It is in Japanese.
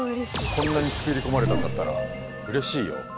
こんなに作り込まれたんだったらうれしいよ！